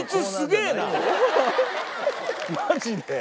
マジで。